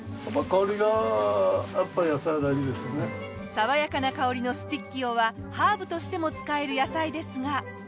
爽やかな香りのスティッキオはハーブとしても使える野菜ですが。